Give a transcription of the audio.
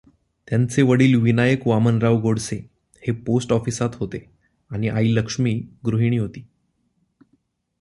त्यांचे वडील विनायक वामनराव गोडसे हे पोस्ट ऑफिसात होते आणि आई लक्ष्मी गृहिणी होती.